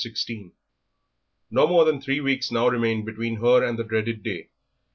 XVI No more than three weeks now remained between her and the dreaded day.